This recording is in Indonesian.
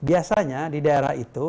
biasanya di daerah itu